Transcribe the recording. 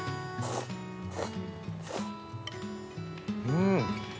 うん。